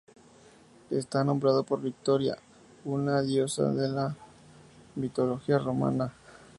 Está nombrado por Victoria, una diosa de la mitología romana.